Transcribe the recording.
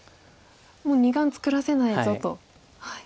もう２眼作らせないぞと。